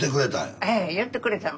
ええ言ってくれたの。